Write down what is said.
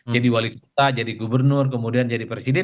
jadi wali kota jadi gubernur kemudian jadi presiden